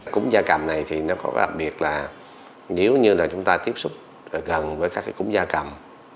cúm da cầm này thì nó có cái đặc biệt là nếu như là chúng ta tiếp xúc gần với các cái cúm da cầm